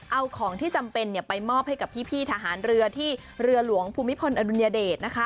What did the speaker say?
เอาของที่จำเป็นไปมอบให้กับพี่ทหารเรือที่เรือหลวงภูมิพลอดุลยเดช